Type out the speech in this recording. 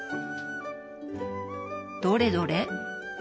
どれどれ。